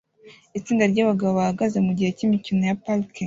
Itsinda ryabagabo bahagaze mugihe cyimikino ya parike